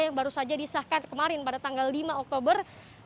yang baru saja disahkan kemarin pada tanggal lima oktober dua ribu dua puluh